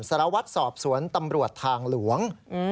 สรวจสอบศวรรษตำรวจทางหลวง